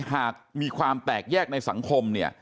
หากมีความแตกแยกในสังคม